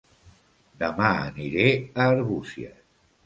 Dema aniré a Arbúcies